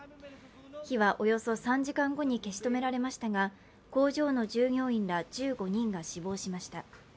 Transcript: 火はおよそ３時間後に消し止められましたが工場の従業員ら１５人が死亡しました。